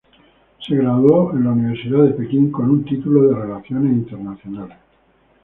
Se graduó de la Universidad de Pekín con un título en relaciones internacionales.